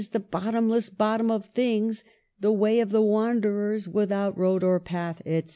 53 the bottomless bottom of things, the way of the wanderers, without road or path," etc.